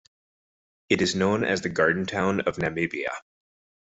It is known as the "Garden Town of Namibia".